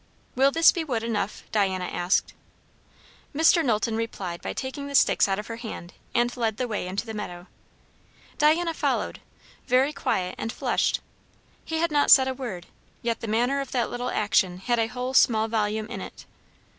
"Will this be wood enough?" Diana asked. Mr. Knowlton replied by taking the sticks out of her hand, and led the way into the meadow. Diana followed, very quiet and flushed. He had not said a word; yet the manner of that little action had a whole small volume in it.